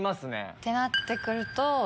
ってなって来ると